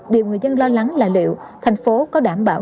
điều người dân lo lắng là liệu thành phố có đảm bảo